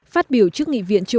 phát biểu trước nghị viện châu âu